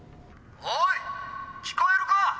「おい聞こえるか？